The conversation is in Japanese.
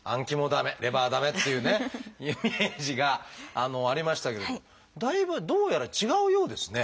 駄目レバー駄目っていうねイメージがありましたけどだいぶどうやら違うようですね。